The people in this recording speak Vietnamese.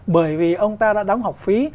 bởi vì ông ta đã đóng học phí